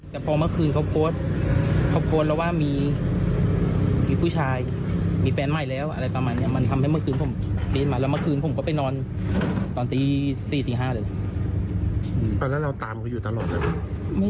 ตีกฟังเนี่ยเรามันแบบมันปีสอ่ะ